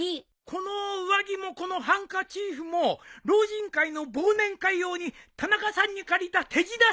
この上着もこのハンカチーフも老人会の忘年会用に田中さんに借りた手品セットだったんじゃ。